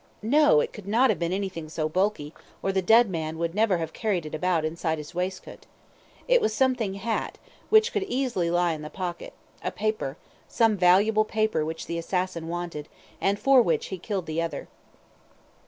No! It could not have been anything so bulky, or the dead man would never have carried it about inside his waistcoat. It was something flat, which could easily lie in the pocket a paper some valuable paper which the assassin wanted, and for which he killed the other."